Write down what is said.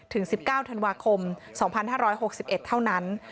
๑๙ธันวาคม๒๕๖๑เท่านั้น